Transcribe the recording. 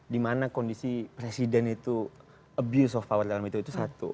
dimana kondisi presiden itu abuse of power dalam itu itu satu